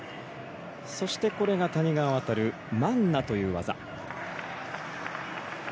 そして、谷川航マンナという技。